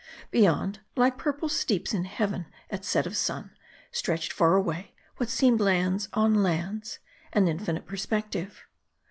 Beyond, like purple steeps in heaven at set of sun, stretched far away, what seemed lands on lands, in infinite perspective.